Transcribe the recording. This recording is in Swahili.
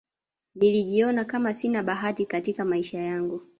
nilijiona Kama sina bahati Katika maisha yangu